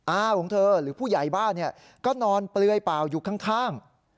อาของเธอหรือผู้ใหญ่บ้านก็นอนเปลือยเปล่าอยู่ข้าง